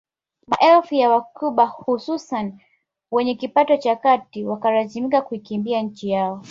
Maelfu ya wacuba hususan wenye kipato cha kati wakalazimika kuikimbia nchi yao